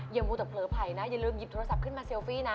มูแต่เผลอไผ่นะอย่าลืมหยิบโทรศัพท์ขึ้นมาเซลฟี่นะ